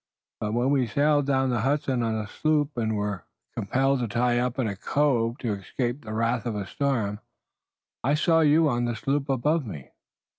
But when we sailed down the Hudson on a sloop, and were compelled to tie up in a cove to escape the wrath of a storm, I saw you on the slope above me."